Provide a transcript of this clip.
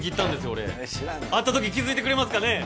俺会った時気づいてくれますかね？